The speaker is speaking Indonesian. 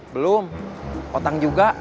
belum otang juga